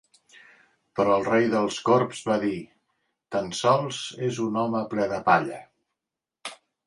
Però el rei dels corbs va dir: "Tan sols és un home ple de palla".